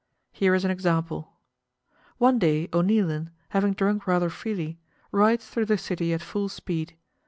Here is an example: One day O'Neilan, having drunk rather freely, rides through the city at full speed.